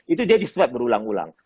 itu dia di swab berulang ulang